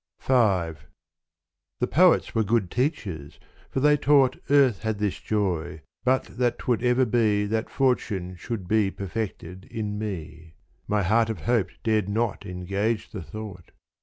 The poets were good teachers for they taught Earth had this joy, but that 't would ever be That fortune should be perfected in me My heart of hope dared not engage the thought.